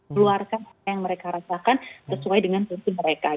keluarkan apa yang mereka rasakan sesuai dengan kebutuhan mereka